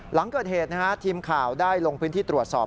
หลังเกิดเหตุทีมข่าวได้ลงพื้นที่ตรวจสอบ